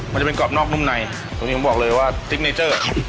มันจะเป็นกรอบนอกนุ่มในตรงนี้ผมบอกเลยว่าซิกเนเจอร์